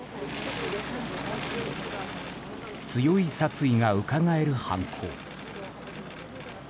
強い殺意がうかがえる犯行。